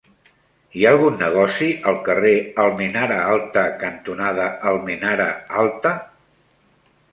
Hi ha algun negoci al carrer Almenara Alta cantonada Almenara Alta?